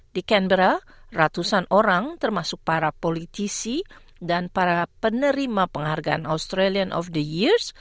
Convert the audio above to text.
di kenbera ratusan orang termasuk para politisi dan para penerima penghargaan australian of the years